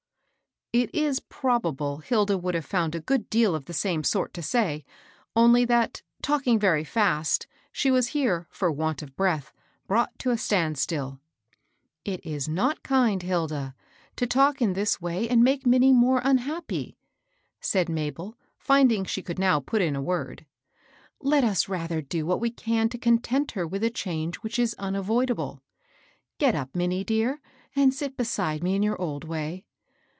*' It is probable Hilda would have found a good deal of the same sort to say, only that, talking very fast, she was here, for want oi breath, brought to a stand still. It is not kind, Hilda, to talk in this way and make Minnie more unhappy," said Mabel, finding she could now put in a word. " Let us rather do what we can to content her with a change which is unavoidable. Get up, Minnie dear, and sit be side me in your old way.